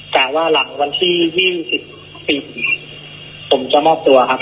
แต่ว่าหลังวันที่๒๔ผมจะมอบตัวครับ